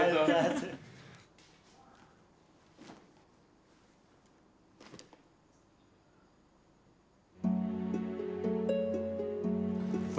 terima kasih sofie